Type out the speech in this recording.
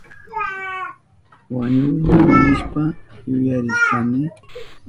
Wañuhuma nishpa yuyarishkani.